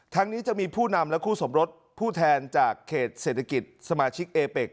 นี้จะมีผู้นำและคู่สมรสผู้แทนจากเขตเศรษฐกิจสมาชิกเอเป็ก